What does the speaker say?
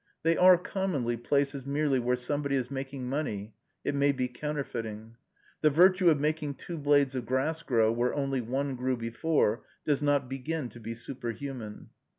They are, commonly, places merely where somebody is making money, it may be counterfeiting. The virtue of making two blades of grass grow where only one grew before does not begin to be superhuman.